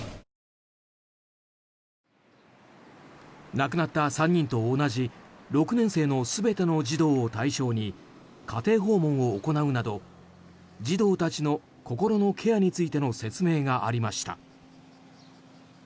亡くなった３人と同じ６年生の全ての児童を対象に家庭訪問を行うなど児童たちの心のケアについての説明がありました。